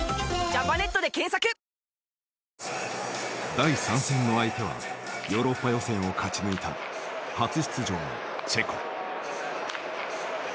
第３戦の相手はヨーロッパ予選を勝ち抜いた初出場のチェコ。